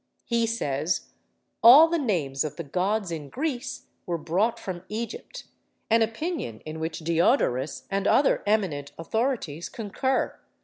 He says, 'All the names of the gods in Greece were brought from Egypt,' an opinion in which Diodorus and other eminent authorities concur.